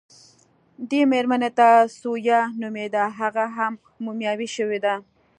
دې مېرمنې ته ثویا نومېده، هغه هم مومیايي شوې وه.